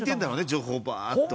情報をバーッと。